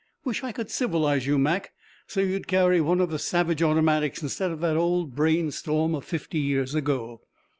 Wish I could civilize you, Mac, so you'd carry one of the Savage automatics instead of that old brain storm of fifty years ago!"